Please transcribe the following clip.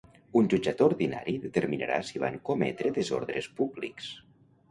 Un jutjat ordinari determinarà si van cometre desordres públics.